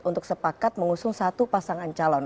untuk sepakat mengusung satu pasangan calon